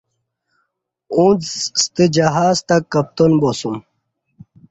اݩڅ ستہ جِہاز تہ کپتان باسُوم